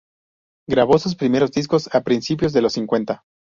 Grabó sus primeros discos a principios de los cincuenta.